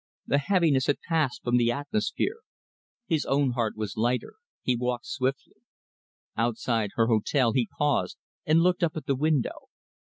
The heaviness had passed from the atmosphere. His own heart was lighter; he walked swiftly. Outside her hotel he paused and looked up at the window.